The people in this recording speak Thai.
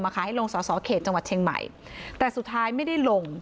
ขายให้ลงสอสอเขตจังหวัดเชียงใหม่แต่สุดท้ายไม่ได้ลง